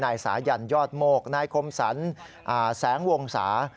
สายันยอดโมกนายคมสรรแสงวงศา